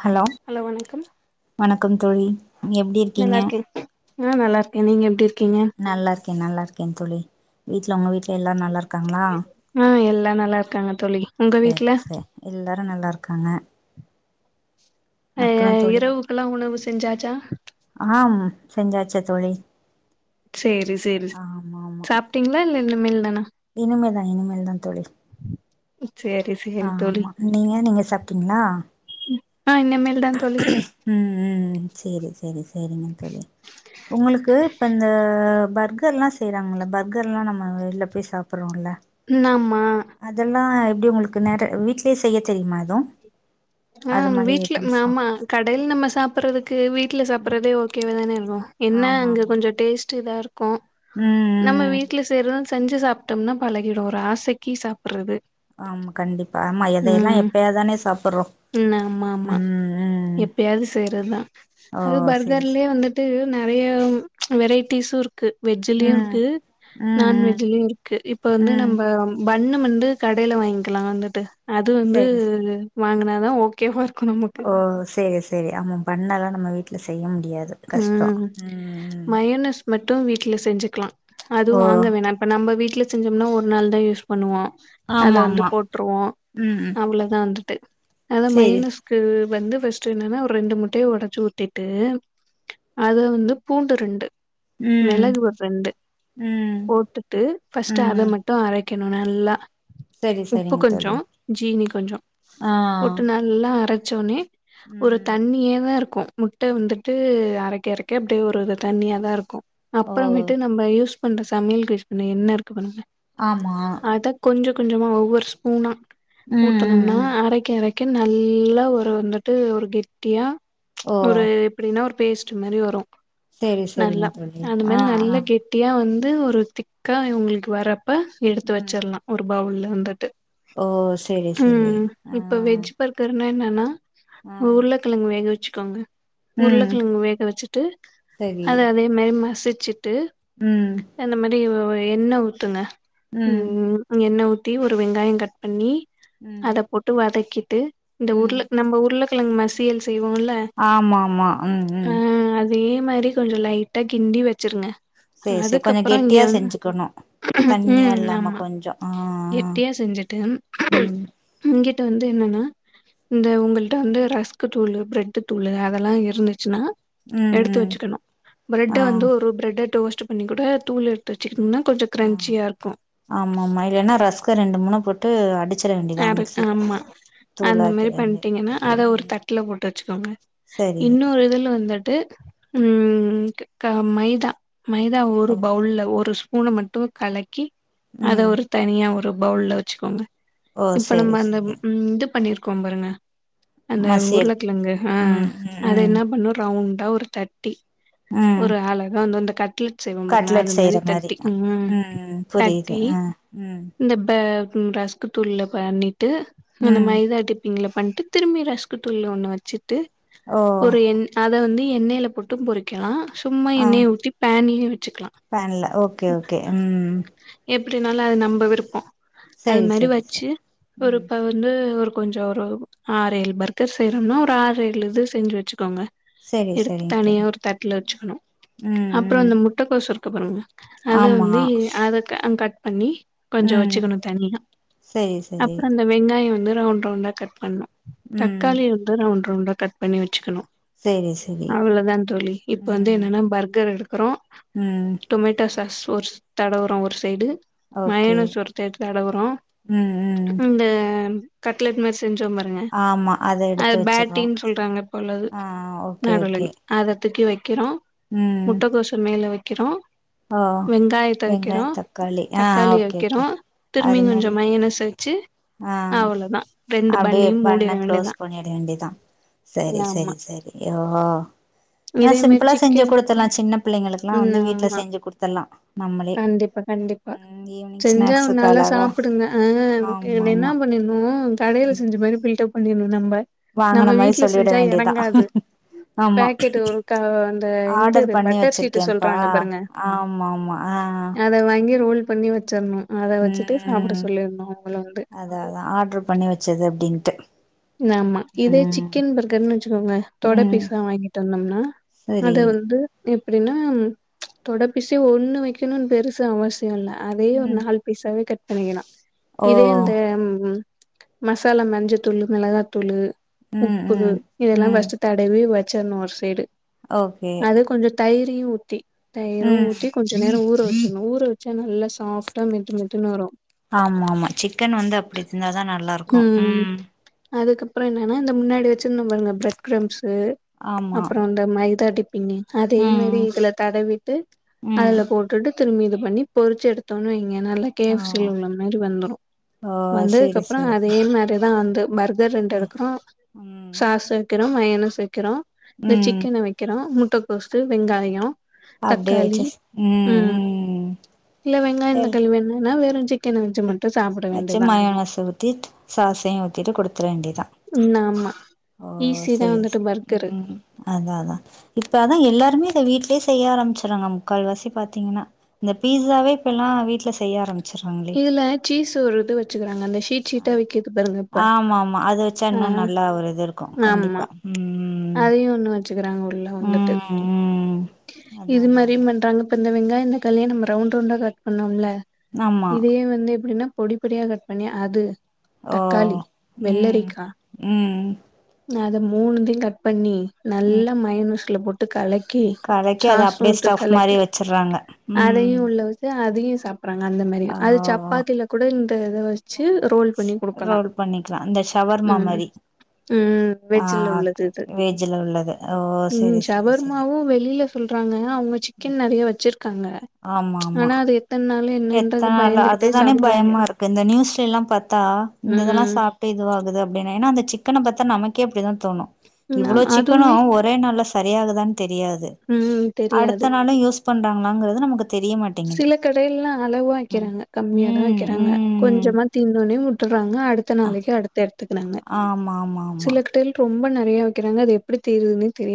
Hello வண க்கம் தோழி எப்டி இருக்கீங்க நல்லாருக்கே ஆ நல்லாருக் கே நீங்க எப்டிரு நல்லாருக்கெ நல்லாருக்கெ தோழி வீட்ல ஒங்க வீட் ல எல்லாரு நல்லாருக்காங்ளா? நல்லாருக்காங்க தோழி உங்க செர் வீட்ல செ எல்லாரு நல்லாருக்காங்க ஆ இரவுக்குல்லா உணவு செஞ்சாச்சா? ஆஹம் செஞ்சாச்சு தோழி செரி செரி சாப்பிட்டீங்களா இல்ல இனிமேல் தா இனிமே தா இனிமேல் தா தோழி அஹ ஆ ஆமா நீங்க நீங்க சாப்பிட்டீங்களா ஆ இனிமேல் தா தோழி ம் ம் செரி செரி செரிங்க தோழி உங்களுக்கு இப்ப அந்த பர்கர் எல்லா செய்றாங்கல்ல பர்கர் எல்லா நம்ம வெளிய போய் சாப்பிடுறோம்ல்ல நம் அதெல்லா எப்டி உங்களுக்கு நேர வீட் செய்ய தெரியுமா எதுவும் ஆ வீட்ல ஆமா கடைல் நம்ம சாப்பிடுறதுக்கு வீட்ல ம் சாப்பிடறது ஓகே தானே இருக்கோம் என்ன ஆமா அங்க ஆமா கொஞ்சம் டேஸ்ட் [unintelligible] ம் ம் நம்ம ம் வீட்ல செய்றதும் செஞ்சு சாப் பட்டோம்னா பழகிடும் ஒரு ஆசைக்கு சாப்பிடுறது ஆமா கண்டிப்பா ஆமா எதயெல்லா எப்பயா தானே சாப்டுறோம் உ ஆமா ஆமா எப்பயாது செய்றது தா ஓ அது செரி செ பர்கர்லயே வந்துட்டு நெறைய வெரைட் டிஸ்சும் இருக்கு வெஜ்லயும் ம் இருக்கு ம் ம் நான்வெஜ்லயும் இருக்கு இப்ப வந்து ம் நம்ப பண்ணு வந்து கடைல வாங்கிலா வந்துட்டு அது வந்து செரி செரி வாங்குனா அதான் ஓகேவ ஓ சேரி சேரி ஆமா பண்ணலா நம்ம வீட் டுல செய்யம் ம் மயோனைஸ் மட் டும் வீட்ல செஞ்சுக்லா ஓ அதுவும் வாங்க வேணா இப்ப நம்ம வீட் ல செஞ்சோம்னா ஒரு நாள் தா யூஸ் பண்ணுவோ அத ஆமா வந்து ஆமா போட்ருவோம ம் ம் அவ்ள தா வந்துட்டு அதான் செரி மைனஸ்க்கு வந்து ஃபஸ்டு என்னன்னா ஒரு ரெண்டு முட்டய ஒடச்சு ஊத்திட்டு அத வந்து பூண்டு ரெண்டு ம் மெளகு ஒர் ரெண்டு ம் போட்டுட்டு ஃபஸ்டு அத ம் மட்டும் அரைக் கணும் நல்லா செரி உப்பு செரிங்க தோழி கொஞ்சம் ஜீனி கொஞ்சம் ஆ போட்டு நல்லா அர [unintelligible] ஒரு ம் தண்ணிய தா இருக் க்கும் முட்ட வந்து ட்டு அரைக்கரக்க அப்டியே ஒரு இ தண்ணியாதான்ருக்கு ஓ அப்றமேட்டு நம்ம யூஸ் பண்ற சமயல் ரெசிபின என்ன இருக்கு பண்ணுங்க ஆமா கொஞ்சமா ஒவ்வொரு ஸ்பூனா ம் ம் ஊத்தனும்னா ம் அரைக்க அரைக்க நல் நல்லா ஒரு வந்துட்டு ஒரு கெட்டியா ஓ ஒரு ஒரு பேஸ்ட் மாரி வரு சேரி சேரிங்க நல்லா தோழி ஆ அண்டமாடி ஆ நல்ல கெட்டியா வந்து ந்து ஒரு திக்கா இவங்ளுக்கு வர ப எடுத்து ம் வச்சர்லா ஒரு பவுல்ல வந்துட்டு ஓ சேரி சேரி ம் ஆ இப்ப வெஜ் பர்கர்னா என்ன னா ஆ உருளகெழங்கு வேக வச்சு காங்க ம் உருளக்கெழங் வேக வச்சுட்டு சரி அத அதே மாரி மசி ட்டு ம் அந்த மாரி ஒர் எண்ண ஊத்துங்க ம் ம்ம் எண்ண ஊத் டி ஒரு வெங்காயோ கட் பண்ணி ம் அத போட்டு வதக்கி ட்டு இந்த ம் உர்ள நம்ப உர்ள கலங் மசியல்ஸ் தெய்வோல ஆமா ஆமா ம் ம் தே மாரி கொஞ்ச லைட்டா கிண்டி வச்சிருங்க சேரி சேரி கொஞ்சோ அதுக்கப்பற இங்க கெட்டியா செஞ்சுக்கணு தண்ணியா ம் இல்லாம ஆமா கொஞ்சோ ஆ ஆ எட்டியா செஞ்சுட்டு ம் இங்க டுந்து என்னன்னா இந்த உங்கள்ட வந்து ரஸ்க் தூளு ப்ரெட்டு தூளு அ அதல்லா இருந்துச்சுனா ம் எடுத்து ம் வச்சுக்கணு ஆ ப்ரெட்ட வந்து ஒரு ப்ரெட்ட டோஸ் து பண்ணிகுட தூள் எத்து வச்சுக்குனா ஆ ஆமாமா இல்லனா ரஸ்க ரெண்டு மூணு போட் ட்டு அடி ஆமா அந்த மாரி தூளாக்கிட வேண்டியது பண்டீங்கனா அத ஒரு ம் தட்டுல போட்டு வச்சுக்கோங்க சரி இன்னொரு இதுல வந்து ட்டு ம் க மைதா மைதா ஒரு ஓ பவுல்ல ஒருஸ் பூன மட்டு கலக்கி அத ம் ஒரு தனியா ஒரு பவுல்ல வச்சுக்கோங்க ஓ இப்ப நம்ப சேரி அந்த சேரி இந்து பண்ணிருக் கொம்புருங்க அந்த மசியல் உருளக்கிழங்கு ஆ ம் அத ம் ம் என்ன பண்ணு ரவுண் தா ஒரு த ட்டி ம் ஒரு அழகா தா வந்து வந்த கட்லட் கட்லெட் செய்யற மாரி தா ம் புரியுது அ ம் ம்ரஸ் குதுள்ள பண்ணி ட்டு அந்த ம் மைதா டிப்பிங்கள போட்டு வந்ட்டு திரும்பி ரஸ்க் தூள்ள ஒண்ணு வச்சுட்டு வண்ட்டு ஓ ஒரு என் அத வந்து எண்ணெயில போட்டும் பொறிக்கலா சுமா ஆ என்னயவுத்தி பேன்லையு பேன்ல ஓகே ஓகே ம் அப்டினால அது நம்ப விருப்போ அது சேரி மாரி சேரி வச்சு சேரி ம் ஒருப்ப வந்து ஒரு கொஞ்சோ ஒரு ஆறு ஏழு பர்கர் செய்யறோம்னா ஒரு ஆறு ஏழு இது செஞ்சு வச்சுக்கோங்க சேரி எடுத்து சேரிங்க தனியா தோழி ஒரு தட்டல வச்சுக்கணு ம் அப்புறோ ம் அந்த முட்டக்கோசு இருக் கப்புறங்க அத ஆமா வந்து இ அத அ கட் பண்ணி கொஞ்சோ வச்சுக்கணு தனியா சரி சரி அப்புறோ அந்த வெங்காயோ வந்து ரவுண்ட் ரவுண்டா கட் பண்ணு ம் தக்காளி வந்து ரவுண்டு ரவுண்டா கட் பண்ணி வச்சுக்கணு சேரி சேரி அவ்ளோதா தோழி இப்ப வந்து ம் என்னன்னா பர்கர் எடு அப்றோ ம் டொமேட்டோ சாஸ் ஒரு தடவுரோ ஒரு சைடு ஓகே மயனுஸ் ஒரு சைட் தடவுரோ ம் ம் அந்த அ கட்லட் மாரி செ செஞ்சோ பாருங்க ஆமா அத அது எடுத்து வச்சர்றோ பேட்டிங்னு சொல்றாங்க போலது ஆ ஓகே ஓகே நடுலங் அத த்துக்கி வை வைக்கிறோ ம் முட்டக்கோச மேல வெக் க்கிறோ ஓ வெங்காயோ தக்காளி ஆ ஓகே ஓகே அதுமேல என்ன சொன்னுச்சு ஆ அப்டியே மூடிற பண்ண க்ளோஸ் வேண்டியதா பண்ணிட வேண்டிதா செரி ஆமா செரி செரி ஓஹோ ஆனா இதே மாரி சிம்பிளா செஞ்சு சிக்கன் குடுத்தடலா சின்ன பிள்ளைங்களுக்குலா ம் வந்து வீட்டுல ஆமா செஞ்சு குடுத்தட்லா நம்மளே கண்டிப்பா கண்டிப்பா ம் ஈவினிங் ஸ்நாக்ஸுக்குளாக அ ஆ [unintelligible] இதுல என்ன பண்ணிரனு கடைல செஞ்ச மாரி பில்டப் பன்னிரனு நம்ப நம்ம வாங்குன மாரி வீட்ல சொல்லிட செஞ்சா வேண்டிதா எறங்காது ஆமா பேக்கெட் ஒரு க அந்த இந்த ஆர்டர் இது பண்ணி பட்டர் ஷீட் வச்சிருக்கேன்ப்பா சொல்றாங்க பாருங்க ஆமா ஆமா ஆ அத வாங்கி ரோல் பண்ணி வச்சரனு அத வச்சுட்டு சாப்ட ம் சொல்லிர்ணு அவுங்கள வந்து அதா அதா ஆர்டரு பண்ணி வச்சது அப்டினு ட் ஆமா இதே சிக்கன் பர்கர்ன்னு வச்சுக்கோங்க தொட ம் பீஸா வாங்கிட்டு வந்தோம்னா சரி அத வந்து எப்டின்னா தொட பிஸே ஒண்ணு வைக்கணும்னு பெருசு அவஸ் ல்ல அதே ஒரு ம் நாலு பீஸாவே கட் சரிங்கனா ஓ இதே இந்த ம் மசாலா மஞ்ச தூளு மெளகாத்தூளு ம் உப்பு ம் இதெல்லா ம் ஃபஸ்ட்டு தடவி வச் சென்னூர் ஒரு சைடு ஓகே அது கொஞ்சோ தயிரு டீ ஊத்தி தயிரு ம் ஊட்டி கொஞ்ச நேரோ ஊர் ஊற வச்சா நல்லா சாஃப்டா மெத்து மெத்துனு வரு ஆமா ஆமா சிக்கன் வந்து அப்டி இருந்தாதா நல்லா இருக்கு ம் அதுக்கப்புறோ என்னா இந்த முன்னாடி வச்சிருந்தோ பாருங்க ப்ரட் க்ரம்ஸ் உ ஆமா அப்புறம் அந்த மைதா டிப் பின்னி ம் அதேமாரி இதுல தடவிட்டு ம் அதுல போட்டுட்டு திரும்பி இது பண்ணி பொறிச்ச எடுத்தோம்னுவைங் எனா நல்ல கே ஓ எஃப் சி உள்ள மாரி வந்துரு ஓ வந்ததுக்கு சேரி அப்புறஃ அதே சேரி மாரி நா வந்து மர் எதோ ரெண்டு எடுக்குறோ ம் சாக்சு வைக்றோ மைய இன்னுசிக்கிறோ இந்த ம் சிக்கன வக்கிறோ முட்டகோஸ் வெங்காயோ தக்காளி ம் இல்ல வெங்காயோ தக்காளி வேணும்னா வெறு சிக்கன்வந்சுமுல் அச்சு மைனஸ் ஊத்திட் சாஸ்ஸையு ஊத்திட்டு குடுத்துற வேண்டிதா ம் ஆமா ஓ ஈஸி தா சரி வந்துட்டு பர்கரு ம் அதா அதா இப்பாதா எல்லாருமே வீட்டிலயே செய்ய ஆரம்பிச்சறாங்க முக்கால் வாசி பாத்தீங்கன்னா இந்த பீஸாவே இப்பல்லா வீட்ல செய்ய ஆரம்பிச இதுல சீஸ் ஒரு து வச்சுர்தாங்க அந்த ஷீட் ஷீட்டா விக்குது பாருங்க இப்ப ஆமா ஆமா அது வச்சு ஆ இன்னு நல்லா ஒரு இது இருக்கு ஆமா கண்டிப்பா ம் அதையு ஒண்ணு வச்சுக்கிறாங்க உள்ள வந்துட்டு ம் ம் அதா இது அதா மாரியு அதா பண்றாங்க இந்த வெங்காயோ தக்காளிய நம்ம ரவுன் ரவுண்டா கட் பண்ணோம்ல ஆமா இதே வந்து எப்டின்னா பொடி பொடியா கட் பண்ணி அது ஓ தக்காளி உம் உம் நான் அத மூணுதையும் கட் பண்ணி [unintelligible] பண்ணி நல்லா மைனுஸ்ல போட்டு கலெட் கடைக்கு அதை அப்படியே ஸ்டப் மாதிரி வச்சிறுங்க உம் ங்க அந்த மாதிரி அது சப்பாத்தில கூடா வ [unintelligible] வச்சி‌ ரோல் பண்ணி கொடுக்கலாம் ரோல் பண்ணிக்கலா இந்த ஷவர்மா உம் மாரி உம் வெஜ் உள்ளது இது வெஜில உள்ளது ஓ ம் சரி சரி சரி ஷவர்மாவும் வெளில சொல்றாங்க அவங்க சிக்கன் நிறைய வச்சிருக்காங்க ஆனா அது எத்தனை நாள எத்தனை நாள்ல அதுதானே பயமா இருக்கு இந்த நியூஸ்ல எல்லாம் பார்த்தா இந்த ம் இதெல்லாம் சாப்பிட்டு இதுவாக்குது அப்படின்னா ஏன்னா அந்த சிக்கன பார்த்தா நமக்கு எப்படிதாம் [unintelligible] தோணும் நம் இவ்வளோ அதுமே சிக்கனும் ஒரே நால்ல தெரியாது தான் [unintelligible] தெரியாது ம் தெரியாது. அடுத்த நாளும் யூஸ் தேன்டாங்களான்ரது நமக்கு தெரியமாட்டேங்ககிது அளவ வைக்கிறாங்க கம்மிய தான் வைக்கிறாங்க ம் கொஞ்சமா தின்னேவுடனே உட்டுராங்க அடுத்த அ நாளைக்கு அடுத்து திட்டுனாங்க ஆமா ஆமா ஆமா சில கடையில பே ரொம்ப நிறைய வைக்கிறாங்க அத எப்படி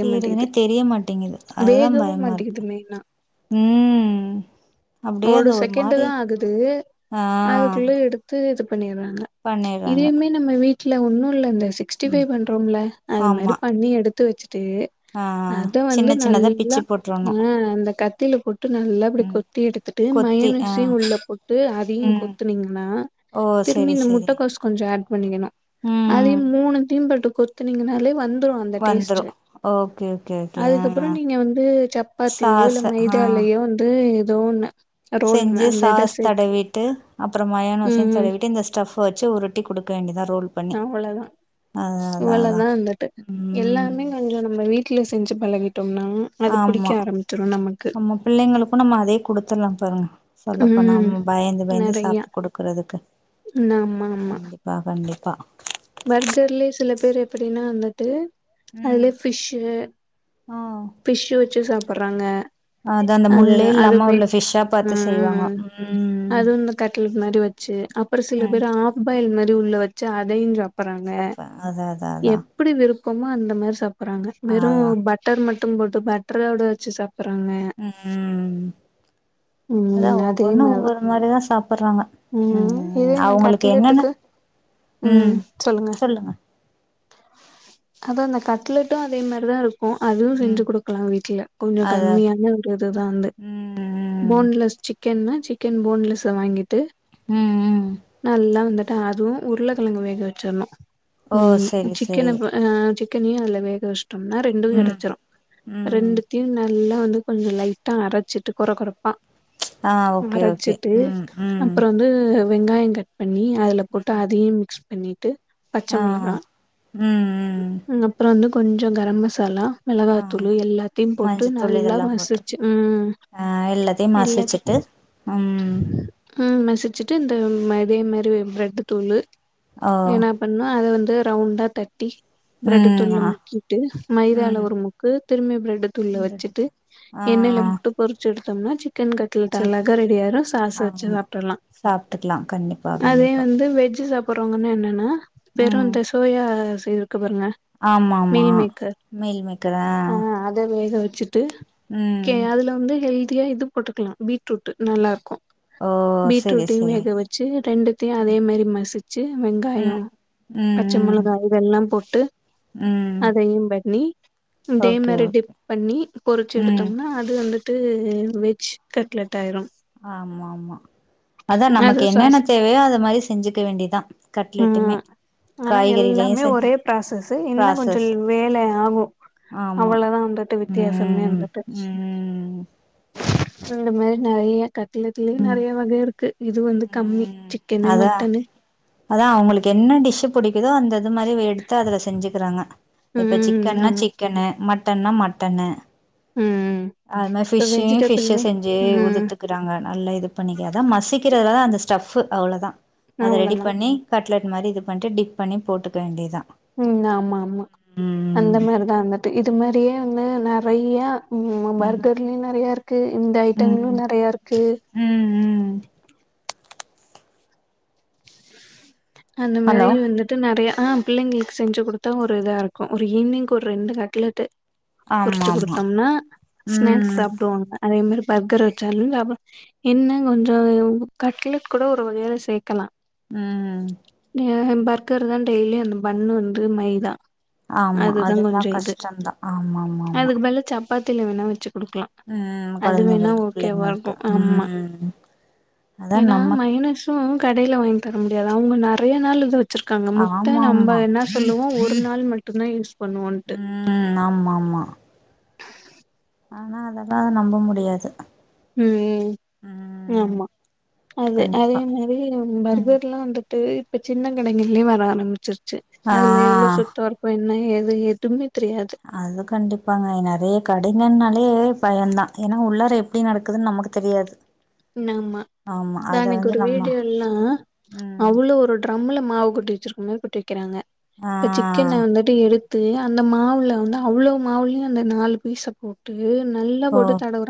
தீருதுனே தெரியமாட்டேங்குது அதுதான் வேகவும் பயமா இருக்கு மாட்டேங்குது மெயினா. உம் ஒரு செகண்டு் தான் ஆகுது ஆ அதுக்குள்ள எடுத்து இது பண்ணிடுறாங்க பண்ணிறாங்க இதையுமே நம்ம வீட் இல்ல ஒன்னும் இல்ல இந்த சிக்ஸ்டி ம் பைவ் பண்றோம்ல அது ஆமா மாதிரி பண்ணி எடுத்து துச் ஆ அத வந்து சின்ன சின்னதா நல்லா பிச்சு போட்றணு ஆ அந்த க திளுகு [unintelligible] நல்லா இப்படி ம் கொத்தி எடுத்துட்டு கொத்தி ஆ மயனசயு உள்ள போட்டு அதயு ம் கொத்துனீங்னா ஓ திரும்பி செரி இந்த செரி முட்டகோஸ் கொஞ்சோ ஆட் பண்ணிக்கணு ம் அதயு மூனதயு போட்டு கொத்துனீங்கனாலே வந்து துரு அந்த வந்துரு டேஸ்டு ஓகே ஓகே ஓகே ஆ அதுக்கப்பறோ நீங்க வந்து சப்பாத்தியோ இல்ல சாஸ் ஆ மைதாலயோ வந்து எதோவொன்னு செஞ்சு சாஸ் தடவிட்டு அப்பறோ ம் மயோனச ம் தடவிட்டு இந்த ஸ்டஃப் ஃபவச்சு உருட்டி குடுக்க க வேண்டிதா அவளதா அதா அவளதா வந்துட்டு ம் எல்லாமே கொஞ்ச நம்ம வீட்ல செஞ்சு பழகிட்டு ஆமா நம்ம பிள்ளைங்களுக்கு நம்ம அதே குடுத்துர்லா பாருங்க சொல்லப்போனா ம் நாம பயந்து பயந்து நெறையா சாப் குடுக்குறதுக்கு கண்டிப்பா கண்டிப் ப்பா பர்கர்லே சில பேர் எப்டினா வந்துட்டு ம் அதலே ஃபிஷ்ஷு ஆ ஃபிஷ்ஷு வச்சு சாப்பிட்றாங்க அது அந்த முள்ளே அதுல அது இல்லாம பே உள்ள ஃபிஷ்ஷா அ பாத்து செய்வாங்க ம் அது இந்த கட்லட் மாரி வச்சு அப்றோ சில ம் பேரு ஆஃப்பாயில் மாரி ரி உள்ள வச்சு அதயு சாப் பறாங்க சப்ப அதா அதா அதா எப்டி விருப்ப கும்மா அந்த மாரி சாப் போறாங்க வெறு அதா பட்டர் மட் டும்போட்டு பட்ரோட வச்சு சாப் உ உ அதா ம் அதே ஒவ்வொன்னு ஒவ்வொரு மாரிதா சாப்பிட்றாங்க உ ம் இதே இந்த அவங்களுக்கு என்னன்ன கட்லெட்டுக்கு உ சொல்லுங்க அதா அந்த கட்லெட்டு அதே மாரிதா இருக் அப்ப அதுவு ம் செஞ்சு குடுக்கலா வீட்ல கொஞ்ச அதா கம்மியான ஒரு இதுதா வந்து ம் ம் போன்லெஸ் சிக் கன்னா சிக்கன் போன்லெஸ்ஸ வாங்கிட்டு ம் ம் நல்லா வந்து அதுவு உருளைக்கிழங்கு வேக வச்சிரணு ஓ செரி செரி சிக்கனப்ப அ சிக் கனயு அல்ல வேகவச் டோம்னா ரெண்டு ம் கிடைசிரு ம் ரெண்டுத்தியு எல்லா வந்து கொஞ்ச லைட்டா அரச்சிட்டு கொற கொறப்பா ஆ ஓகே ஓகே அரச்சிட்டு ம் ம் அப்றோந்து வெங்காயோ கட் ப பண்ணி அதுல போட்டு அதயு மிக்ஸ் பண்ணிட்டு பச்ச ஆ முளகா ம் ம் வந்து கொஞ்சங் கர மசாலா ஆ மிளகாத்தூள் எல்லாத்தையும் போட்டு மஞ்சத்தூள் நல்லா இதெல்லா போட்டு மசுச்சு ம் ஆ எல்லாத்தையு எல்லாத் மசிச்சுட்டு ம் ம் மசுச்சுட்டு இந்த இதே மாரி பிரெட்டு தூளு ஓ என்ன பண்ணு அத வந்து ரவுண்டா தட் ட்டி பிரெட்டு ம் தூளு ஆ முக்கிட்டு மைதால ம் ஒரு முக்கு திரும்பி பிரெட்டு தூள்ள பிரெட் வெச்சுட்டு எடுத்து ஆ எண்ணெய்ல போட்டு பொறுச்சு எடுத் தோனச்சு சிக்கன் கட்லெட் செரி அழகா ரெடியாயிரு சாஸ்சு வெச்சு ஆமா சாப்டுருலா சாப்ட்டுக்கலா கண்டிப்பா அதே கண்டிப்பா வந்து வெஜ்ஜு சாப் அப்புறவங்கன்னு என்னன்னா ம் பெருந்துஸ் எப்பயு அதா செய்வ பாருங்க ஆமா ஆமா மீல் மேக்கர் மீல் மேக்கர் ஆ அ அத வேக வெச் ட்டு ஓகே ம் அதுல வந்து எயிடு தியே இது போட்டுக்கலா பீட்ரூட்டு நல்லாருக்கு ஓ செரி பீட்ரூட்டையு செரி வேக வெச்சு ரெண்டுத்தையு அதே மாரி மசுச்சு வெங்காயோ ம் பச்ச ம் ம் மொளகா இதெல்லாம் போட்டு ம் அதையும் பண்ணி இதே ஓகே மாரி டிப் ஓகே பண்ணி பொறுச்சு ம் எடுத்தோம்னா அது வந்து ட்டு வெஜ் கட்லெட் ஆயிரு ஆமா ஆமா அதா அது நமக்கு சாஸ் என்னென்ன தேவையோ அத மாரி செஞ்சுக்க வேண்டிதா கட்லெட்டுமே ம் ஆனா காய்கறிலயு எல்லாமே செஞ்சு ஒரே பராசஸ்ஸு இன்னங் கொஞ்சோ ப்ராசஸ் வேல ஆகு ஆமா அவ்வளோதா வந்துட்டு வித்தியாசமே ம் வந்துட்டு ம் இந்த மாரி நறைய கட் லெட்லயு நறைய வகை இருக்கு இது வந்து கம்மி ம் சிக்கன்னு அதா மட்டன்னு எதோ அந்த இது மாரி எடுத்து அதுல செஞ்சுக்குறாங்க இப்ப ம் சிக்கன்னா ஆமா சிக்கனு மட்டன்னா மட்டன்னு ம் அது மாரி இப்ப ஃபிஷ்ஷீ ஃபிஷ்ஷ வெஜிடபிளுமே செஞ்சு ம் உதுத்துக்குறாங்க நல்லா இது பண்ணிக்க அதா மசுக்குறதுலதா அந்த ஸ்டஃப்பு அவ்வளோதா அத ரெடி அவ்வளதா பண்ணி கட் கட்லெட் மாரி இது பண்ட்டு டிப் பண்ணி போட்டுக்க வேண்டிதா ம் ஆமா ஆமா அந்த மாரிதா வந்துட்டு இது மாரியே வந்து நெறைய ம் ஆ பர்கர்லயு நெறைய இருக்கு இந்த ஐட்டங்களு ம் நெறைய இருக்கு ம் ம் அந்த மாரி ஹலோ வந்துட்டு நெறய ஆ பிள்ளைங்களுக்கு செஞ்சு குடுத்தா ஒரு இதா இருக்கு ஒரு ஈவி்னிங் ஒரு ரெண்டு கட்லட்டு ஆமா பொரிச்சு ஆமா குடுத்தோம்னா ஸ்நாக்ஸ் ம் சாப்டுவாங்க அதே மாரி பர்கர் வச்சாலு சாப்ப என்ன கொஞ்சோ கட்லெட் கூட ஒரு வகையில சேக்கலா ம் ஏஹ அந் பர்க்கர்தா டெய்லி அந்த பண்ணு வந்து மைதா ஆமா அதுதான் அதெல்லா கொஞ்சம் இது. கஷ்டம்தா ஆமா ஆமா ஆமா த்தில வேண்ணா வச்சு குடுக்கலா ம் அது வேண்ணா கொழந்தைங்களுக்கு ஓகேவா இருக்கு பிள்ளைங்களுக்கு ஆமா ம் அதா ஏன்னா நம்ம மயோனஸு கடைல வாங்கி தரோ தியதா அவங்க நெறைய நாளு இது வச்சிருக்காங்க முட்டை ஆமா நம்ப ஆமா என்ன சொல்லுவோ ஒ ஒரு நாள் மட்டுந்தா யூஸ் பண்ணுவோன்ட்டு. ம் ஆமா ஆமா ஆனா அதெல்லா நம்ப முடியாது ம் ம் ஆமா அது அதே கண்டிப்பா மாரி ம் பர்கர்லா வந்துட்டு இப்ப சின்ன கடைகள்லயு வர ஆரம்பிரு ச்சு ஆ அதுல எவ்ளோ சுத்தோ இருக்கோ என் ன ஏது எதுமே தெரியாது அது கண்டிப்பாங்க நெறைய கடைங்கன்னாலே பயந்தா ஏன்னா உள்ளார எப்டி நடக்குதுன்னு நமக்கு தெரியாது ம் ஆமா ஆமா தா அத அன்னக்கி வந்து ஒரு நம்ம வீடியோல்லா ம் அவ்ளோ ஒரு ட்ரம்ல மாவு கொட்டி வச்சிருக் அந்த மாரி கொட்டி வக்கிறாங்க ஆ இப்ப சிக்கன வந்துட்டு எடுத் து அந்த மாவுல வந்து அவ்ளோ மாவுலயு அந்த நாலு பீச போட்டு அப்டியே நல்லா ஓ போட்டு தடவுறா